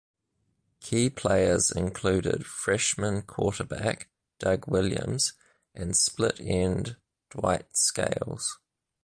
Key players included freshman quarterback Doug Williams and split end Dwight Scales.